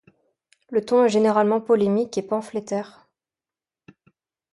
Le ton est généralement polémique et pamphlétaire.